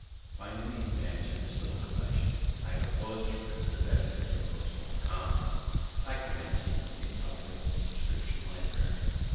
Finding the advantage of this little collection, I propos'd to render the benefit from books more common, by commencing a public subscription library.